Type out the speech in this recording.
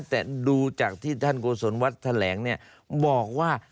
แต่ดูจากที่ท่านโกศลวัทธแหลงบอกว่า